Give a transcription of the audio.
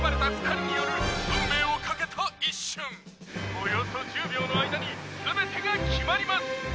「およそ１０秒の間に全てが決まります！」